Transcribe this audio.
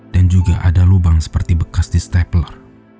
dan juga ada lubang seperti bekas di stapler